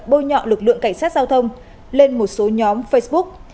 bôi nhọ lực lượng cảnh sát giao thông lên một số nhóm facebook